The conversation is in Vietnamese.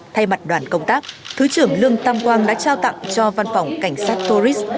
thay mặt đoàn công tác thứ trưởng lương tam quang đã trao tặng cho văn phòng cảnh sát tourist